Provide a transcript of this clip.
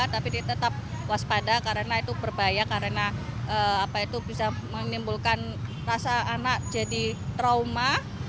tapi dia tetap waspada karena itu berbahaya karena bisa menimbulkan rasa anak jadi trauma